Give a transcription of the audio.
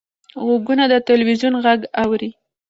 غوږونه د تلویزیون غږ اوري